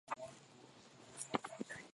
manini na sita huku afrika kusini